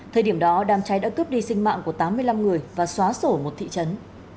thời điểm đó đám cháy đã cướp đi sinh mạng của tám mươi năm người và xóa sổ một thị trấn